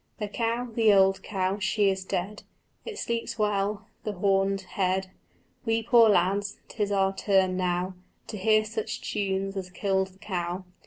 The cow, the old cow, she is dead; It sleeps well, the horned head: We poor lads, 'tis our turn now To hear such tunes as killed the cow.